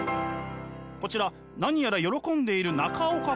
こちら何やら喜んでいる中岡君！